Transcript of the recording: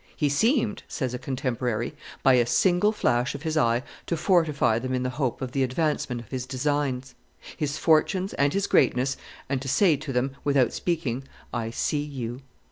"He seemed," says a contemporary, "by a single flash of his eye to fortify them in the hope of the advancement of his designs; his fortunes, and his greatness, and to say to them, without speaking, I see you."